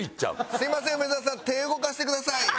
すいません梅沢さん手動かしてください。